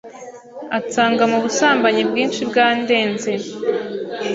ansanga mu busambanyi bwinshi bwandenze